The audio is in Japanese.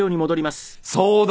そうだ。